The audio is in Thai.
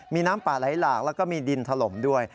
มีน้ำป่าไหลหลากแล้วก็มีดินถล่มด้วย